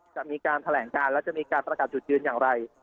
จะมีการแถลงการและจะมีการยึดยืนอย่างไร